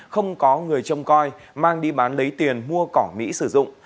không có người trông coi mang đi bán lấy tiền mua cỏ mỹ sử dụng